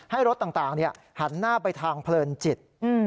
ให้รถต่างหันหน้าไปทางเพลินจิต